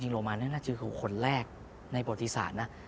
จริงโรมานน่าจะคือคนแรกในปฏิศาสตร์นะ